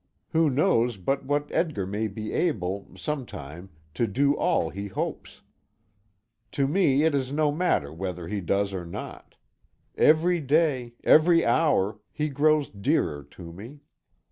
Who knows but what Edgar may be able, some time, to do all he hopes! To me it is no matter whether he does or not. Every day every hour he grows dearer to me.